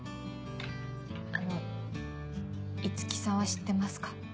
あの五木さんは知ってますか？